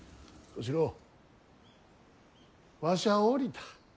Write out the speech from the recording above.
小四郎わしは降りた。